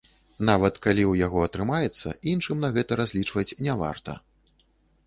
Нават калі ў яго атрымаецца, іншым на гэта разлічваць не варта.